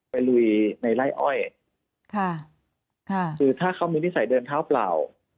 ไปลุยในไร้อ้อยคือถ้าเขามีนิสัยเดินเท้าเปล่า